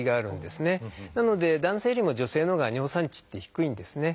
なので男性よりも女性のほうが尿酸値って低いんですね。